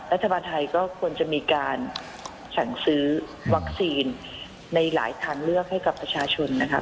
รัฐบาลไทยก็ควรจะมีการสั่งซื้อวัคซีนในหลายทางเลือกให้กับประชาชนนะคะ